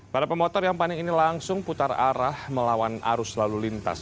para pemotor yang panik ini langsung putar arah melawan arus lalu lintas